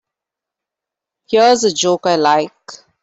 Here's a joke I like.